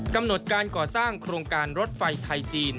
กำหนดการก่อสร้างโครงการรถไฟไทยจีน